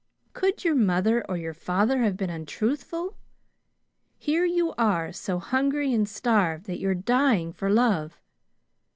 Could your mother or your father have been untruthful? Here you are, so hungry and starved that you are dying for love.